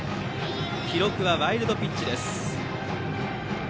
記録はワイルドピッチです。